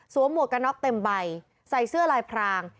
หมวกกระน็อกเต็มใบใส่เสื้อลายพราง